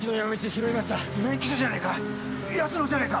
免許証じゃねえか？